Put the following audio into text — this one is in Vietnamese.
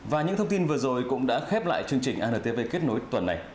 và những thông tin vừa rồi cũng đã khép lại chương trình antv kết nối tuần này